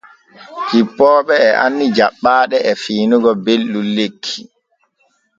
Cippooɓe e anni jaɓɓaaɗe e fiinigo belɗum lekki.